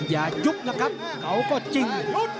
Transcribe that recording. อย่ายุบนะครับเขาก็จริง